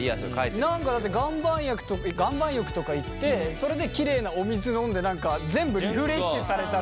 何かだって岩盤浴とか行ってそれできれいなお水飲んで全部リフレッシュされたっていう。